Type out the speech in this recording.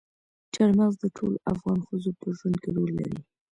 چار مغز د ټولو افغان ښځو په ژوند کې رول لري.